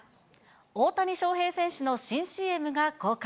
大谷翔平選手の新ＣＭが公開。